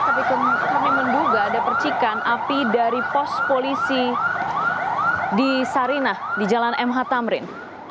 tapi kami menduga ada percikan api dari pos polisi di sarinah di jalan mh tamrin